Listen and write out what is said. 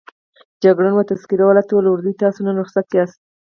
جګړن وه تذکره والاو ته وویل: ورځئ، تاسو نور خلاص یاست.